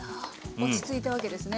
落ち着いたわけですね。